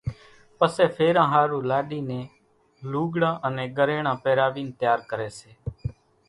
پسيَ ڦيران ۿارُو لاڏِي نين لُوڳڙان انين ڳريڻان پيراوينَ تيار ڪريَ سي۔